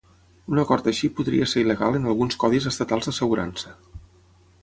Un acord així podria ser il·legal en alguns codis estatals d'assegurança.